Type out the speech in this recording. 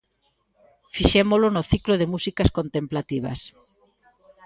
Fixémolo no ciclo de músicas contemplativas.